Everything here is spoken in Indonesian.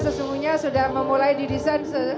sesungguhnya sudah memulai didesain